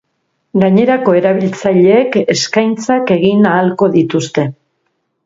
Gainerako erabiltzaileek eskaintzak egin ahalko dituzte.